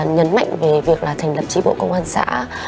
nhấn mạnh về việc là thành lập trí bộ công an xã